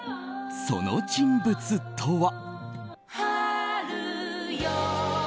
その人物とは。